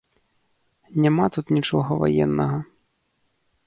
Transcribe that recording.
Няма тут нічога ваеннага!